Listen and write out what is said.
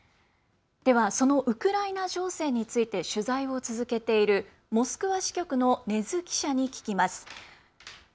ではそのウクライナ情勢について取材を続けているモスクワ支局の禰津記者に聞きます。